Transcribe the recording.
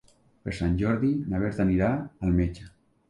Per Sant Jordi na Berta anirà al metge.